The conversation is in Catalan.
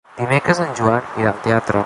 Dimecres en Joan irà al teatre.